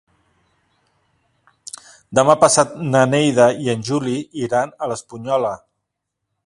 Demà passat na Neida i en Juli iran a l'Espunyola.